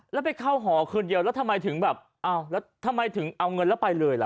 แล้วไปเข้าหอคืนเดียวแล้วทำไมถึงแบบอ้าวแล้วทำไมถึงเอาเงินแล้วไปเลยล่ะ